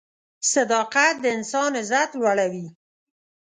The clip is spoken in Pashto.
صداقت د انسان عزت لوړوي.